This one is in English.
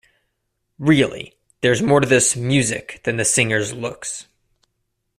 Really, there's more to this "music" than the singer's looks.